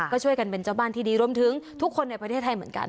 ก็ช่วยกันเป็นเจ้าบ้านที่ดีรวมถึงทุกคนในประเทศไทยเหมือนกัน